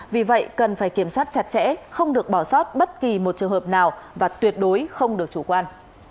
vì vậy cần phải kiểm soát chặt chẽ không được bỏ sót bất kỳ một trường hợp nào và tuyệt đối không được chủ quan